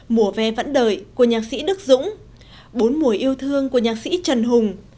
mùa ve vẫn đời của nhạc sĩ đức dũng bốn mùa yêu thương của nhạc sĩ trần hùng